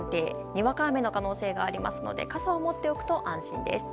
にわか雨の可能性がありますので傘を持っておくと安心です。